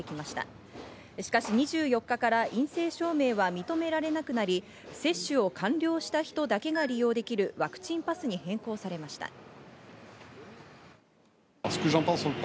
しかし２４日から陰性証明は認められなくなり、接種を完了した人だけが利用できるワクチンパスに変更されました。